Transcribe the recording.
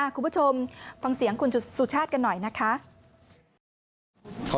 คุณผู้ชมฟังเสียงคุณสุชาติกันหน่อยนะคะ